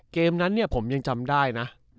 เกมนั้นผมยังจำได้นะ